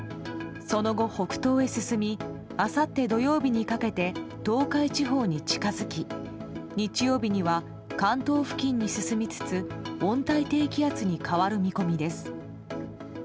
その後、北東へ進みあさって土曜日にかけて東海地方に近づき日曜日には関東付近に進みつつ温帯低気圧に変わる見込みです。